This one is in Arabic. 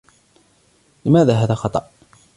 لماذا هذا خطأ ؟